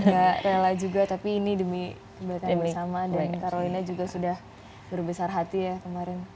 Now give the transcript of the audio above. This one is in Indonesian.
gak rela juga tapi ini demi kebaikan bersama dan karolina juga sudah berbesar hati ya kemarin